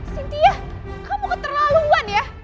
cynthia kamu keterlaluan ya